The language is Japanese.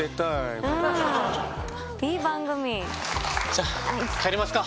じゃあ帰りますか。